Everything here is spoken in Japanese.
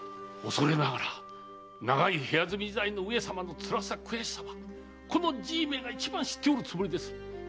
おそれながら長い部屋住み時代の上様の辛さ悔しさはこのじいめが一番知っておるつもりです。